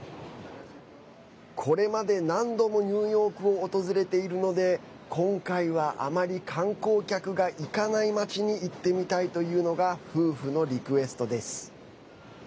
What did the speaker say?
これまで何度もニューヨークを訪れているので今回はあまり観光客が行かない街に行ってみたいというのが夫婦のリクエストです。